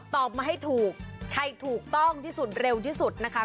ตอบมาให้ถูกใครถูกต้องที่สุดเร็วที่สุดนะคะ